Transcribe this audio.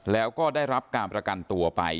แล้วก็ได้รับการประกันตัวไป